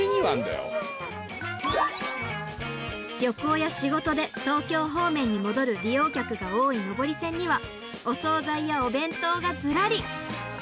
旅行や仕事で東京方面に戻る利用客が多い上り線にはお総菜やお弁当がずらり！